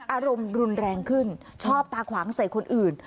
อารมณ์รุนแรงขึ้นชอบตาขวางใส่คนอื่น